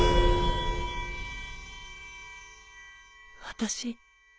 私。